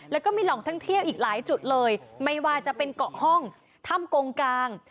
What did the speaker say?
แล้วก็มีแหล่งท่องเที่ยวอีกหลายจุดเลยไม่ว่าจะเป็นเกาะห้องถ้ำกงกลาง